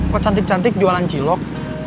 kok cantik cantik jualan cilok